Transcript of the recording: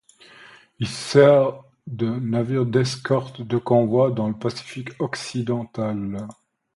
Il sert de navire d'escorte de convoi dans le Pacifique occidental.